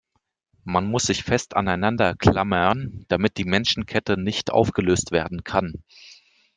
Man muss sich fest aneinander klammern, damit die Menschenkette nicht aufgelöst werden kann.